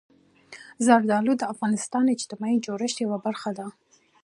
زردالو د افغانستان د اجتماعي جوړښت یوه برخه ده.